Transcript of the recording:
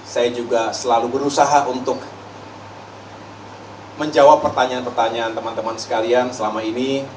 saya juga selalu berusaha untuk menjawab pertanyaan pertanyaan teman teman sekalian selama ini